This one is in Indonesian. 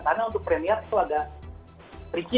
karena untuk premiere itu agak tricky